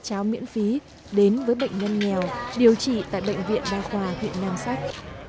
cháo miễn phí đến với bệnh nhân nghèo điều trị tại bệnh viện đa khoa huyện nam sách